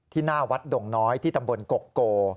หน้าวัดดงน้อยที่ตำบลกกโก